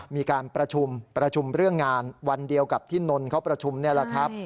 มีการประชุมประชุมเรื่องงานวันเดียวกับที่นนท์เขาประชุมนี่แหละครับ